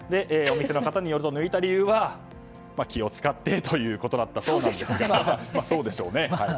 お店の方によると抜いた理由は気を使ってということだそうなんですがそうでしょうね。